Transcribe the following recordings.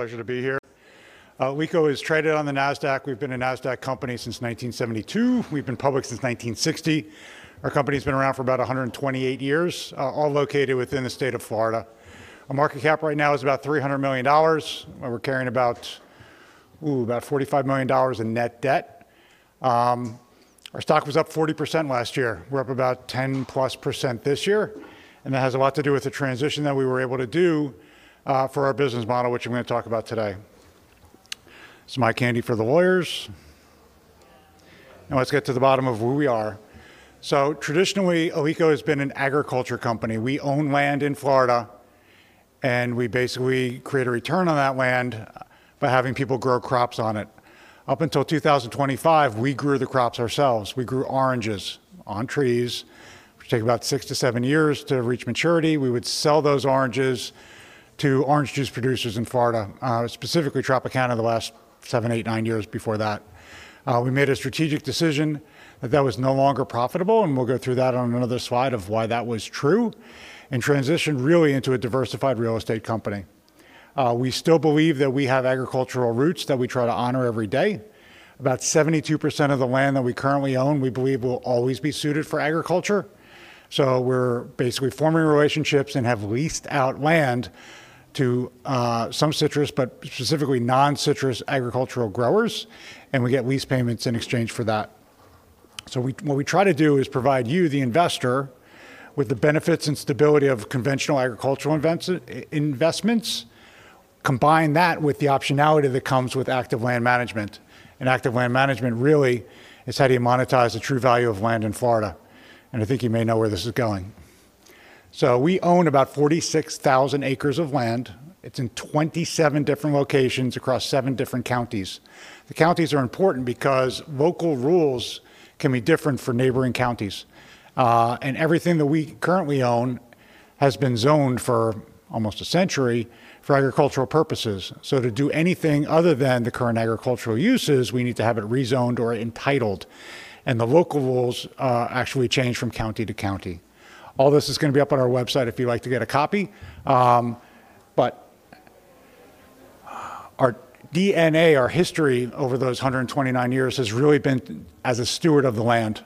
Pleasure to be here. Alico is traded on the Nasdaq. We've been a Nasdaq company since 1972. We've been public since 1960. Our company's been around for about 128 years, all located within the state of Florida. Our market cap right now is about $300 million. We're carrying about $45 million in net debt. Our stock was up 40% last year. We're up about 10%+ this year, and that has a lot to do with the transition that we were able to do for our business model, which I'm gonna talk about today. Some eye candy for the lawyers. Let's get to the bottom of who we are. Traditionally, Alico has been an agriculture company. We own land in Florida, and we basically create a return on that land by having people grow crops on it. Up until 2025, we grew the crops ourselves. We grew oranges on trees, which take about six to seven years to reach maturity. We would sell those oranges to orange juice producers in Florida, specifically Tropicana the last seven, eight, nine years before that. We made a strategic decision that that was no longer profitable, and we'll go through that on another slide of why that was true, and transitioned really into a diversified real estate company. We still believe that we have agricultural roots that we try to honor every day. About 72% of the land that we currently own we believe will always be suited for agriculture. We're basically forming relationships and have leased out land to some citrus, but specifically non-citrus agricultural growers, and we get lease payments in exchange for that. What we try to do is provide you, the investor, with the benefits and stability of conventional agricultural investments. Combine that with the optionality that comes with active land management. Active land management really is how do you monetize the true value of land in Florida, and I think you may know where this is going. We own about 46,000 acres of land. It's in 27 different locations across seven different counties. The counties are important because local rules can be different for neighboring counties. Everything that we currently own has been zoned for almost a century for agricultural purposes. To do anything other than the current agricultural uses, we need to have it rezoned or entitled, and the local rules actually change from county to county. All this is gonna be up on our website if you'd like to get a copy. Our DNA, our history over those 129 years has really been as a steward of the land.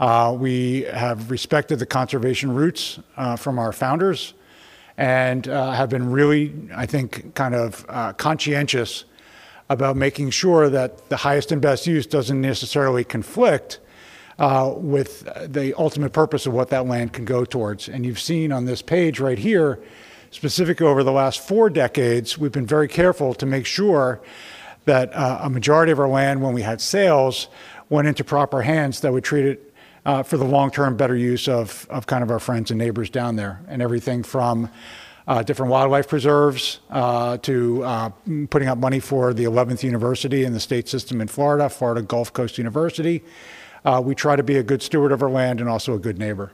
We have respected the conservation roots from our founders and have been really, I think, kind of, conscientious about making sure that the highest and best use doesn't necessarily conflict with the ultimate purpose of what that land can go towards. You've seen on this page right here, specifically over the last four decades, we've been very careful to make sure that a majority of our land, when we had sales, went into proper hands that would treat it for the long-term better use of kind of our friends and neighbors down there, and everything from different wildlife preserves to putting up money for the 11th university in the state system in Florida Gulf Coast University. We try to be a good steward of our land and also a good neighbor.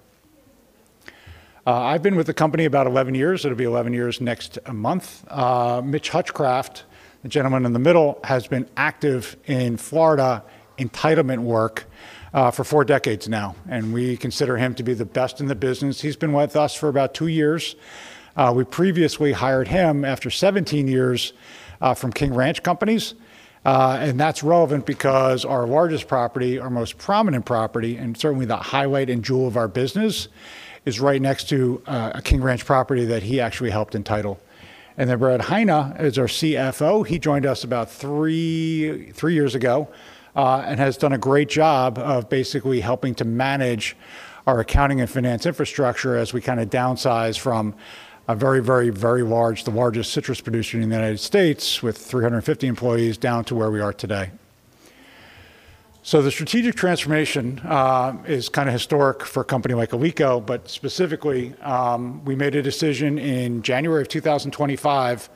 I've been with the company about 11 years. It'll be 11 years next month. Mitch Hutchcraft, the gentleman in the middle, has been active in Florida entitlement work for four decades now, and we consider him to be the best in the business. He's been with us for about two years. We previously hired him after 17 years from King Ranch, Inc. That's relevant because our largest property, our most prominent property, and certainly the highlight and jewel of our business, is right next to a King Ranch property that he actually helped entitle. Bradley Heine is our CFO. He joined us about three years ago and has done a great job of basically helping to manage our accounting and finance infrastructure as we kinda downsize from a very, very, very large, the largest citrus producer in the U.S. with 350 employees down to where we are today. The strategic transformation is kinda historic for a company like Alico, but specifically, we made a decision in January of 2025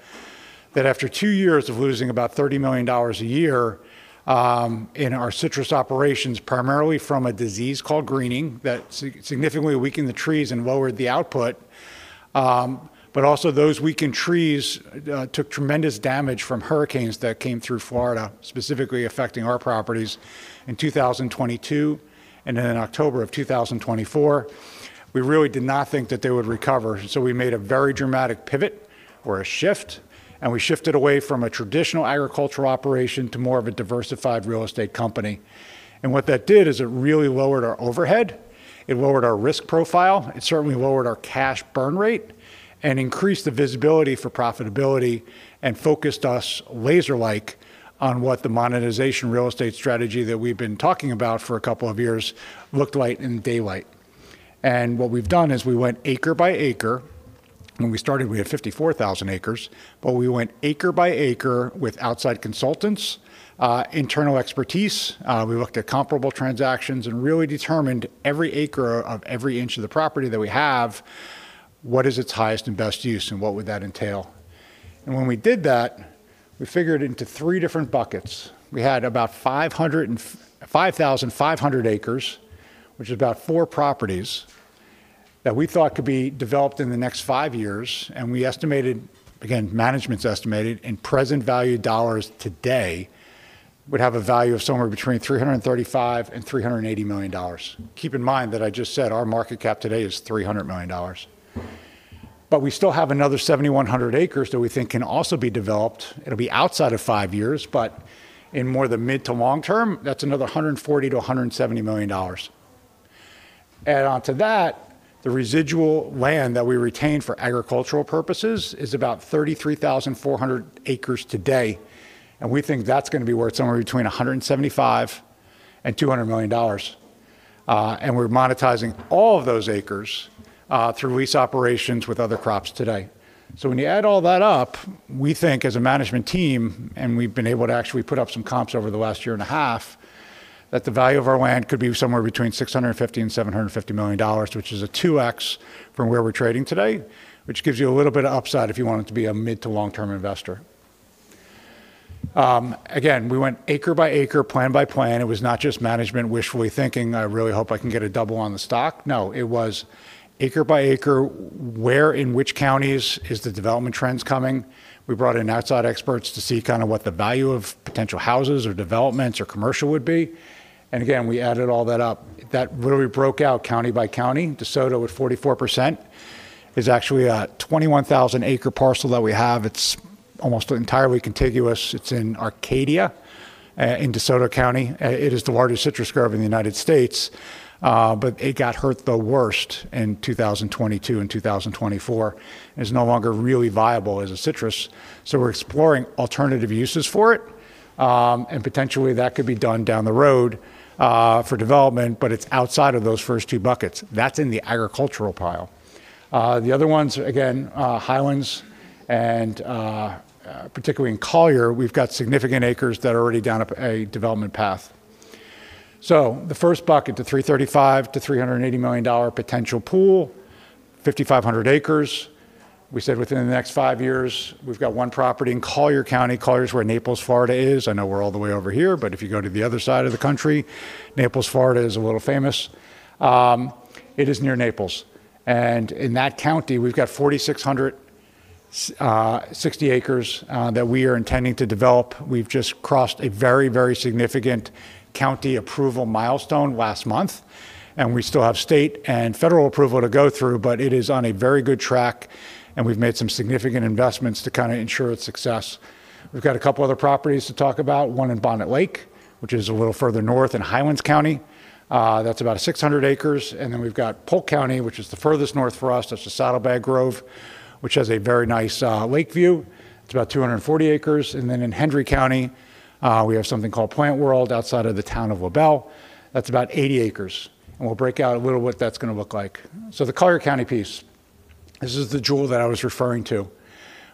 that after two years of losing about $30 million a year, in our citrus operations, primarily from a disease called citrus greening that significantly weakened the trees and lowered the output, but also those weakened trees took tremendous damage from hurricanes that came through Florida, specifically affecting our properties in 2022 and then in October of 2024. We really did not think that they would recover. We made a very dramatic pivot or a shift. We shifted away from a traditional agricultural operation to more of a diversified real estate company. What that did is it really lowered our overhead, it lowered our risk profile, it certainly lowered our cash burn rate, and increased the visibility for profitability and focused us laser-like on what the monetization real estate strategy that we've been talking about for a couple of years looked like in daylight. What we've done is we went acre by acre. When we started, we had 54,000 acres, but we went acre by acre with outside consultants, internal expertise. We looked at comparable transactions and really determined every acre of every inch of the property that we have, what is its highest and best use, and what would that entail? When we did that, we figured it into three different buckets. We had about 5,500 acres, which is about four properties, that we thought could be developed in the next five years, and we estimated, again, management's estimated in present value dollars today would have a value of somewhere between $335 million-$380 million. Keep in mind that I just said our market cap today is $300 million. We still have another 7,100 acres that we think can also be developed. It'll be outside of five years, but in more the mid to long term, that's another $140 million-$170 million. Add on to that, the residual land that we retain for agricultural purposes is about 33,400 acres today. We think that's going to be worth somewhere between $175 million-$200 million. We're monetizing all of those acres through lease operations with other crops today. When you add all that up, we think as a management team, and we've been able to actually put up some comps over the last year and a half, that the value of our land could be somewhere between $650 million and $750 million, which is a 2x from where we're trading today, which gives you a little bit of upside if you want it to be a mid to long term investor. We went acre by acre, plan by plan. It was not just management wishfully thinking, I really hope I can get a double on the stock. It was acre by acre, where in which counties is the development trends coming. We brought in outside experts to see kind of what the value of potential houses or developments or commercial would be. We added all that up. That literally broke out county by county. DeSoto at 44% is actually a 21,000 acres parcel that we have. It's almost entirely contiguous. It's in Arcadia in DeSoto County. It is the largest citrus grove in the U.S., it got hurt the worst in 2022 and 2024 and is no longer really viable as a citrus. We're exploring alternative uses for it. Potentially that could be done down the road for development, it's outside of those first two buckets. That's in the agricultural pile. The other ones, again Highlands and particularly in Collier, we've got significant acres that are already down a development path. The first bucket, the $335 million-$380 million potential pool, 5,500 acres. We said within the next five years, we've got one property in Collier County. Collier is where Naples, Florida is. I know we're all the way over here, if you go to the other side of the country, Naples, Florida is a little famous. It is near Naples. In that county, we've got 4,660 acres that we are intending to develop. We've just crossed a very, very significant county approval milestone last month. We still have state and federal approval to go through, but it is on a very good track. We've made some significant investments to kind of ensure its success. We've got a couple other properties to talk about. One in Bonnet Lake, which is a little further north in Highlands County. That's about 600 acres. We've got Polk County, which is the furthest north for us. That's the Saddlebag Grove, which has a very nice lake view. It's about 240 acres. In Hendry County, we have something called Mobley Plant World outside of the town of LaBelle. That's about 80 acres. We'll break out a little what that's going to look like. The Collier County piece, this is the jewel that I was referring to.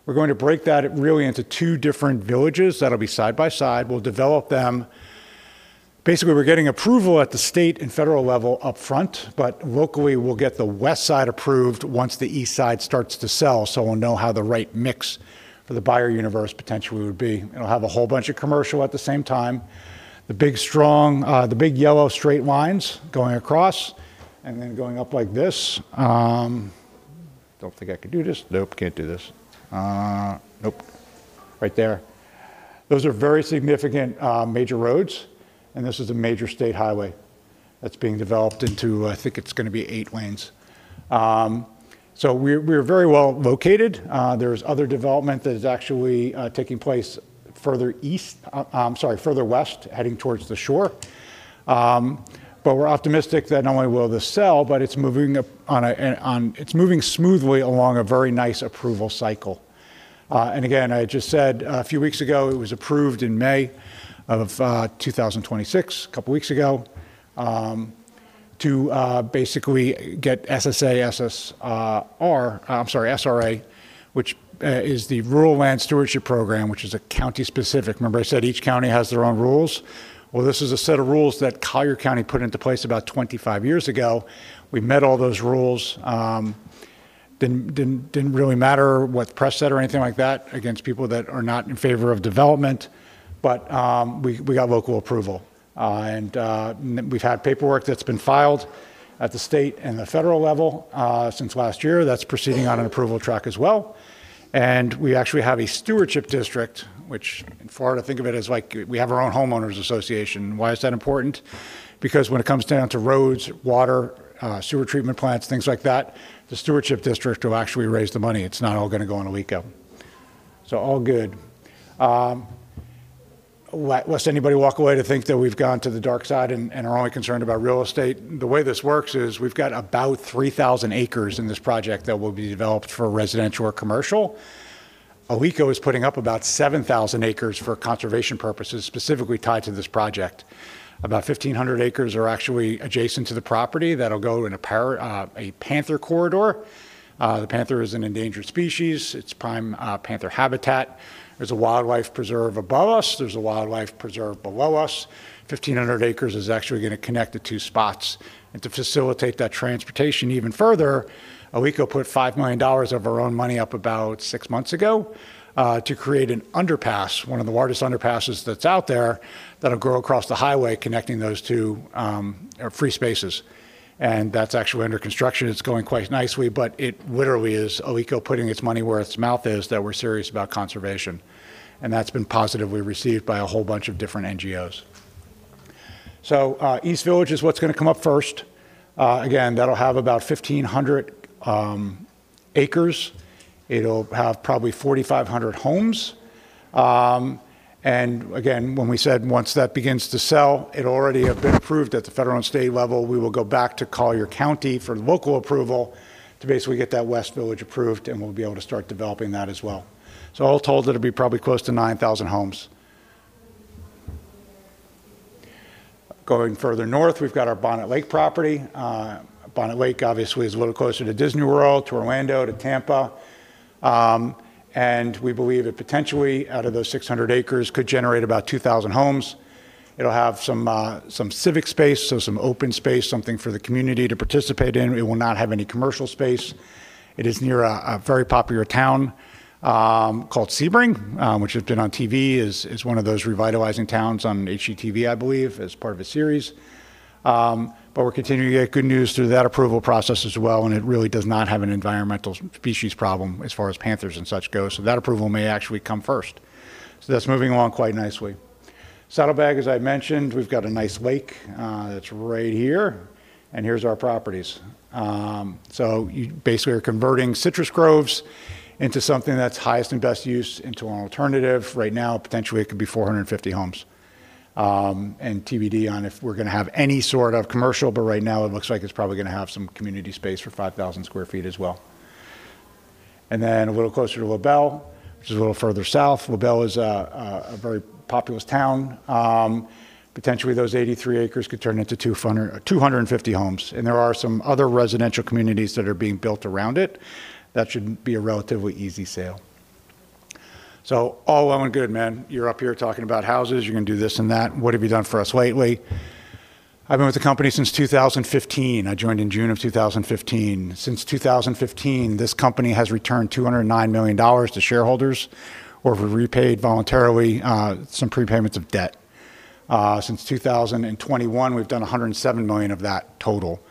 We're going to break that really into two different villages that'll be side by side. We'll develop them. Basically, we're getting approval at the state and federal level up front, but locally we'll get the west side approved once the east side starts to sell. We'll know how the right mix for the buyer universe potentially would be. It'll have a whole bunch of commercial at the same time. The big strong, the big yellow straight lines going across and then going up like this. Don't think I could do this. Nope, can't do this. Nope, right there. Those are very significant major roads. This is a major state highway that's being developed into, I think it's going to be eight lanes. We're very well located. There's other development that is actually taking place further east, sorry, further west heading towards the shore. We're optimistic that not only will this sell, but it's moving smoothly along a very nice approval cycle. Again, I just said a few weeks ago, it was approved in May of 2026, a couple of weeks ago, to basically get SRA, which is the Rural Land Stewardship Program, which is a county specific. Remember I said each county has their own rules? This is a set of rules that Collier County put into place about 25 years ago. We met all those rules. Didn't really matter what the press said or anything like that against people that are not in favor of development. We got local approval. We've had paperwork that's been filed at the state and the federal level since last year. That's proceeding on an approval track as well. We actually have a stewardship district, which in Florida, think of it as like we have our own homeowners association. Why is that important? When it comes down to roads, water, sewer treatment plants, things like that, the stewardship district will actually raise the money. It's not all going to go on Alico. All good. Lest anybody walk away to think that we've gone to the dark side and are only concerned about real estate, the way this works is we've got about 3,000 acres in this project that will be developed for residential or commercial. Alico is putting up about 7,000 acres for conservation purposes specifically tied to this project. About 1,500 acres are actually adjacent to the property that'll go in a panther corridor. The panther is an endangered species. It's prime panther habitat. There's a wildlife preserve above us. There's a wildlife preserve below us. 1,500 acres is actually going to connect the two spots. To facilitate that transportation even further, Alico put $5 million of our own money up about six months ago to create an underpass, one of the largest underpasses that's out there that'll go across the highway connecting those two free spaces. That's actually under construction. It's going quite nicely, but it literally is Alico putting its money where its mouth is that we're serious about conservation. That's been positively received by a whole bunch of different NGOs. East Village is what's gonna come up first. Again, that'll have about 1,500 acres. It'll have probably 4,500 homes. Again, when we said once that begins to sell, it'll already have been approved at the federal and state level. We will go back to Collier County for local approval to basically get that West Village approved, and we'll be able to start developing that as well. All told, it'll be probably close to 9,000 homes. Going further north, we've got our Bonnet Lake property. Bonnet Lake obviously is a little closer to Disney World, to Orlando, to Tampa. We believe it potentially, out of those 600 acres, could generate about 2,000 homes. It'll have some civic space, so some open space, something for the community to participate in. It will not have any commercial space. It is near a very popular town called Sebring, which if you've been on TV is one of those revitalizing towns on HGTV, I believe, as part of a series. We're continuing to get good news through that approval process as well, and it really does not have an environmental species problem as far as panthers and such go. That approval may actually come first. That's moving along quite nicely. Saddlebag, as I mentioned, we've got a nice lake that's right here, and here's our properties. You basically are converting citrus groves into something that's highest and best use into an alternative. Right now, potentially it could be 450 homes. TBD on if we're gonna have any sort of commercial, but right now it looks like it's probably gonna have some community space for 5,000 square feet as well. Then a little closer to LaBelle, which is a little further south. LaBelle is a very populous town. Potentially those 83 acres could turn into 250 homes, there are some other residential communities that are being built around it. That should be a relatively easy sale. All well and good, man. You're up here talking about houses. You're gonna do this and that. What have you done for us lately? I've been with the company since 2015. I joined in June of 2015. Since 2015, this company has returned $209 million to shareholders or have repaid voluntarily some prepayments of debt. Since 2021, we've done $107 million of that total.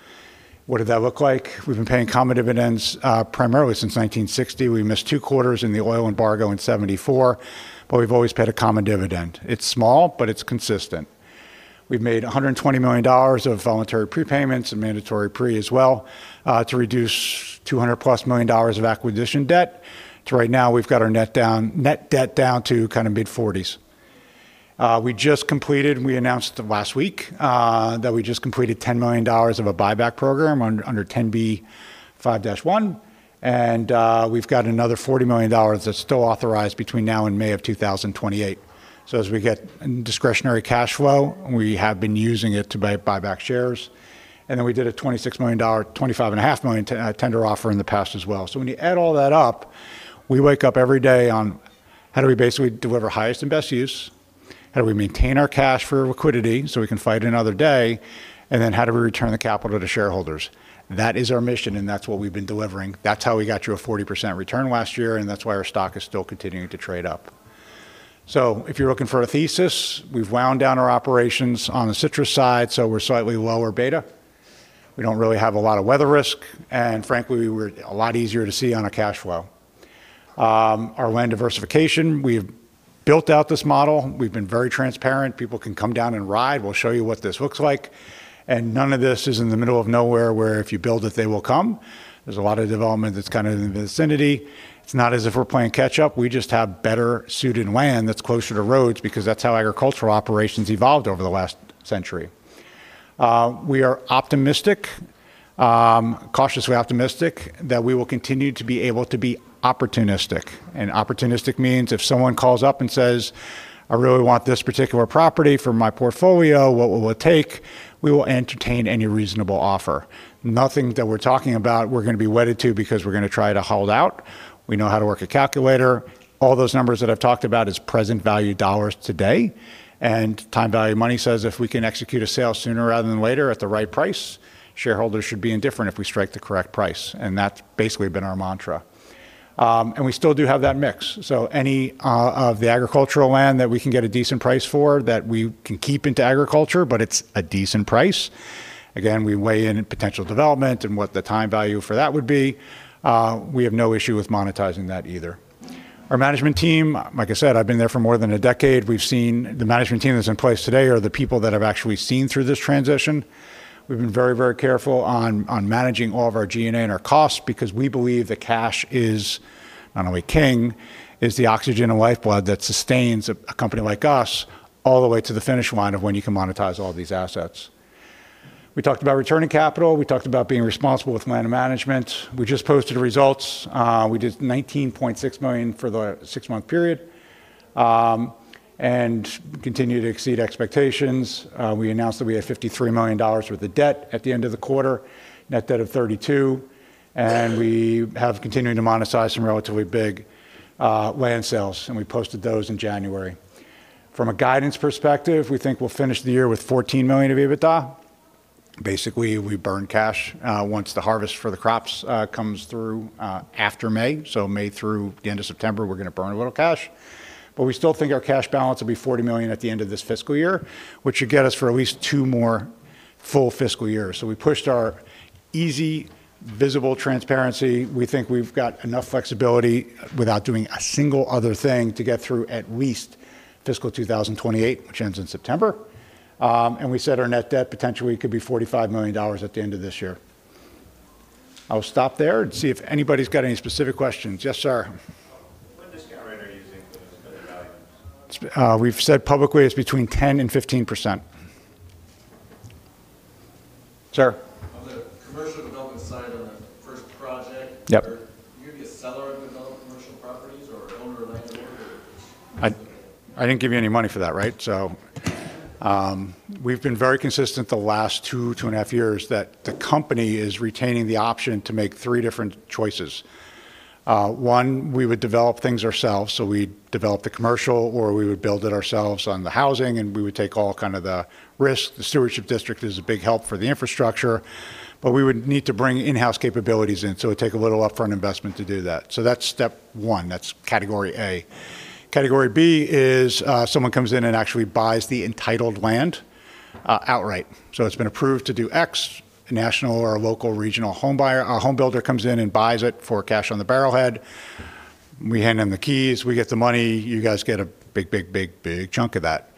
What did that look like? We've been paying common dividends primarily since 1960. We missed two quarters in the oil embargo in 1974, but we've always paid a common dividend. It's small, but it's consistent. We've made $120 million of voluntary prepayments and mandatory pre as well to reduce $200+ million of acquisition debt to right now we've got our net debt down to kind of mid-40s. We announced last week that we just completed $10 million of a buyback program under Rule 10b5-1. We've got another $40 million that's still authorized between now and May of 2028. As we get discretionary cash flow, we have been using it to buy back shares. We did a twenty-five and a half million dollars tender offer in the past as well. When you add all that up, we wake up every day on how do we basically deliver highest and best use? How do we maintain our cash for liquidity, so we can fight another day? How do we return the capital to shareholders? That is our mission, and that's what we've been delivering. That's how we got you a 40% return last year. That's why our stock is still continuing to trade up. If you're looking for a thesis, we've wound down our operations on the citrus side, so we're slightly lower beta. We don't really have a lot of weather risk. Frankly, we're a lot easier to see on a cash flow. Our land diversification, we've built out this model. We've been very transparent. People can come down and ride. We'll show you what this looks like. None of this is in the middle of nowhere, where if you build it, they will come. There's a lot of development that's kind of in the vicinity. It's not as if we're playing catch-up. We just have better suited land that's closer to roads because that's how agricultural operations evolved over the last century. We are optimistic, cautiously optimistic that we will continue to be able to be opportunistic. Opportunistic means if someone calls up and says, "I really want this particular property for my portfolio. What will it take?" We will entertain any reasonable offer. Nothing that we're talking about we're gonna be wedded to because we're gonna try to hold out. We know how to work a calculator. All those numbers that I've talked about is present value dollars today. Time value money says if we can execute a sale sooner rather than later at the right price, shareholders should be indifferent if we strike the correct price, and that's basically been our mantra. We still do have that mix. Any of the agricultural land that we can get a decent price for that we can keep into agriculture, but it's a decent price. Again, we weigh in potential development and what the time value for that would be. We have no issue with monetizing that either. Our management team, like I said, I've been there for more than a decade. The management team that's in place today are the people that have actually seen through this transition. We've been very, very careful on managing all of our G&A and our costs because we believe that cash is not only king, it's the oxygen and lifeblood that sustains a company like us all the way to the finish line of when you can monetize all these assets. We talked about returning capital. We talked about being responsible with land management. We just posted results. We did $19.6 million for the six-month period and continue to exceed expectations. We announced that we had $53 million worth of debt at the end of the quarter, net debt of $32 million, and we have continued to monetize some relatively big land sales, and we posted those in January. From a guidance perspective, we think we'll finish the year with $14 million of EBITDA. Basically, we burn cash once the harvest for the crops comes through after May. May through the end of September, we're gonna burn a little cash. We still think our cash balance will be $40 million at the end of this fiscal year, which should get us for at least two more full fiscal year. We pushed our easy visible transparency. We think we've got enough flexibility without doing a single other thing to get through at least fiscal 2028, which ends in September. We said our net debt potentially could be $45 million at the end of this year. I'll stop there and see if anybody's got any specific questions. Yes, sir. What discount rate are you using for those credit values? We've said publicly it's between 10% and 15%. Sir. On the commercial development side on the first project. Yep Are you gonna be a seller of developed commercial properties, or owner, landlord? I didn't give you any money for that, right? We've been very consistent the last 2 and a half years that the company is retaining the option to make 3 different choices. 1, we would develop things ourselves, so we'd develop the commercial or we would build it ourselves on the housing, and we would take all kind of the risk. The stewardship district is a big help for the infrastructure, but we would need to bring in-house capabilities in, so it'd take a little upfront investment to do that. That's step 1. That's category A. Category B is, someone comes in and actually buys the entitled land outright. It's been approved to do X. A national or a local regional homebuyer or home builder comes in and buys it for cash on the barrel head. We hand them the keys. We get the money. You guys get a big chunk of that.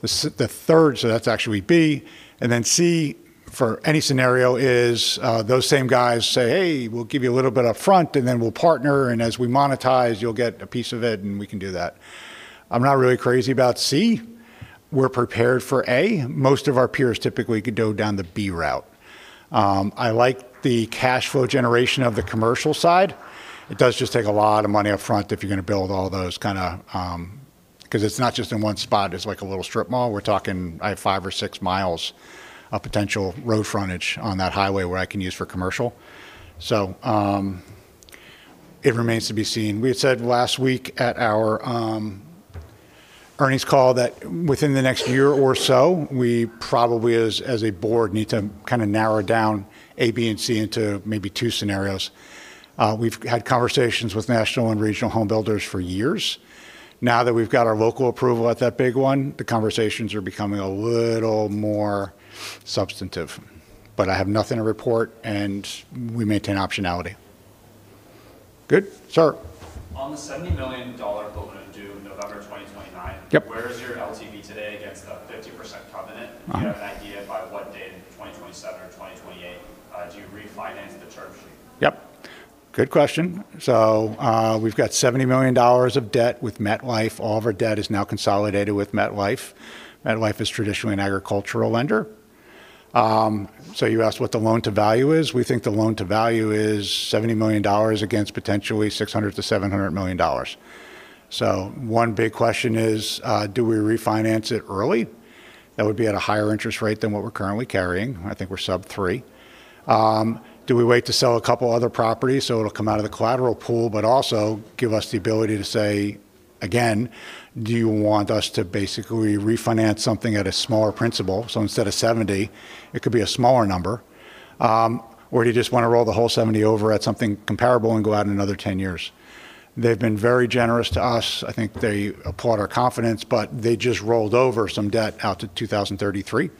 The third, so that's actually B, and then C for any scenario is, those same guys say, "Hey, we'll give you a little bit up front, and then we'll partner, and as we monetize, you'll get a piece of it," and we can do that. I'm not really crazy about C. We're prepared for A. Most of our peers typically go down the B route. I like the cash flow generation of the commercial side. It does just take a lot of money up front if you're gonna build all those kinda, 'cause it's not just in one spot. It's like a little strip mall. We're talking, I have 5 or 6 miles of potential road frontage on that highway where I can use for commercial. It remains to be seen. We had said last week at our earnings call that within the next year or so, we probably as a board need to kinda narrow down A, B, and C into maybe two scenarios. We've had conversations with national and regional home builders for years. Now that we've got our local approval at that big one, the conversations are becoming a little more substantive. I have nothing to report, and we maintain optionality. Good. Sir. On the $70 million balloon due November 2029. Yep Where is your LTV today against the 50% covenant? Do you have an idea by what date in 2027 or 2028, do you refinance the term sheet? Yep. Good question. We've got $70 million of debt with MetLife. All of our debt is now consolidated with MetLife. MetLife is traditionally an agricultural lender. You asked what the loan to value is. We think the loan to value is $70 million against potentially $600 million-$700 million. One big question is, do we refinance it early? That would be at a higher interest rate than what we're currently carrying. I think we're sub 3. Do we wait to sell a couple other properties so it'll come out of the collateral pool, but also give us the ability to say, again, "Do you want us to basically refinance something at a smaller principal?" Instead of 70, it could be a smaller number. You just wanna roll the whole 70 over at something comparable and go out another 10 years. They've been very generous to us. I think they applaud our confidence, but they just rolled over some debt out to 2033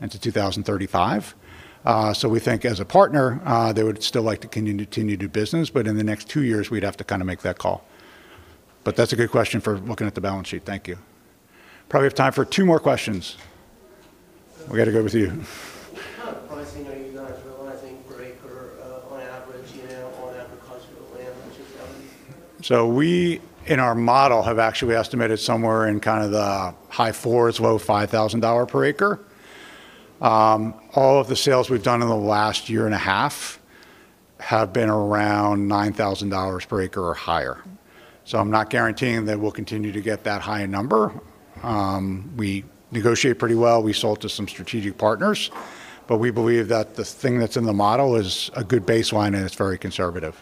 and to 2035. We think as a partner, they would still like to continue to do business, but in the next two years, we'd have to kinda make that call. That's a good question for looking at the balance sheet. Thank you. Probably have time for two more questions. We gotta go with you. What kind of pricing are you guys realizing per acre, on average, you know, on agricultural land that you're selling? We in our model have actually estimated somewhere in the high $4,000s, low $5,000 per acre. All of the sales we've done in the last year and a half have been around $9,000 per acre or higher. I'm not guaranteeing that we'll continue to get that high a number. We negotiate pretty well. We sold to some strategic partners. We believe that the thing that's in the model is a good baseline, and it's very conservative.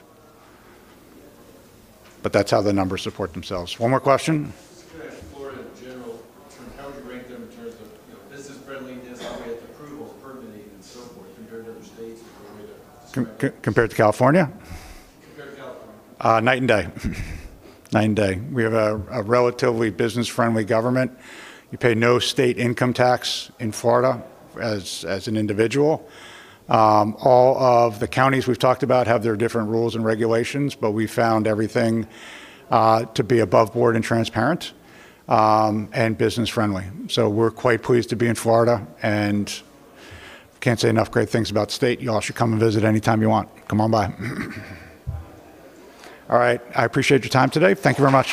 That's how the numbers support themselves. One more question. Just curious, Florida in general, in terms, how would you rank them in terms of, you know, business-friendliness the way that approvals, permitting, and so forth compare to other states that you're aware that? Compared to California? Compared to California. Night and day. Night and day. We have a relatively business-friendly government. You pay no state income tax in Florida as an individual. All of the counties we've talked about have their different rules and regulations, but we found everything to be above board and transparent, and business friendly. We're quite pleased to be in Florida, and can't say enough great things about the state. Y'all should come and visit anytime you want. Come on by. All right, I appreciate your time today. Thank you very much.